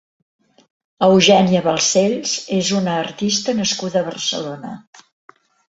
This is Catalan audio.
Eugènia Balcells és una artista nascuda a Barcelona.